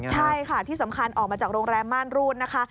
ใช่ค่ะที่สำคัญออกมาจากโรงแรมม่านรูดนะคะ